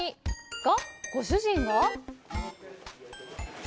が、ご主人が。